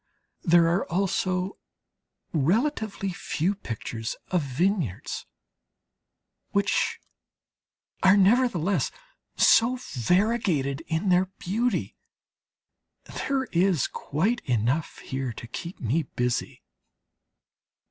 There are also relatively few pictures of vineyards, which are nevertheless so variegated in their beauty. There is quite enough here to keep me busy.